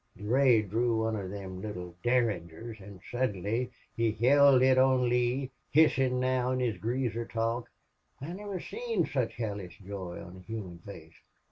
"Durade drew one of thim little derringers. An' sudden he hild it on Lee, hissin' now in his greaser talk. I niver seen sich hellish joy on a human face.